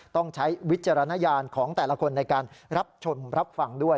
ต้องใช้วิจารณญาณของแต่ละคนในการรับชมรับฟังด้วย